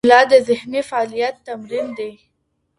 املا د ذهني فعالیت تمرین دی.